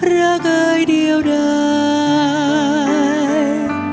รักเอยเดียวได้